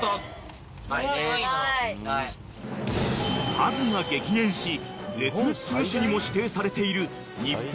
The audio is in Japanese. ［数が激減し絶滅危惧種にも指定されている日本